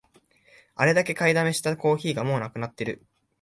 あれだけ買いだめしたコーヒーがもうなくなってる